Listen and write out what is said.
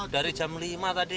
dari jam lima tadi